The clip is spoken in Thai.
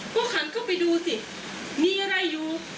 ก็หันเข้าไปดูสิมีอะไรอยู่